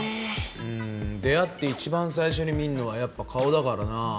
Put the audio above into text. うん出会って一番最初に見んのはやっぱ顔だからなぁ。